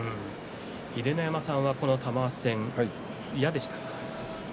秀ノ山さんはこの玉鷲戦は嫌でしたか。